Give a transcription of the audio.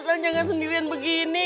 asal jangan sendirian begini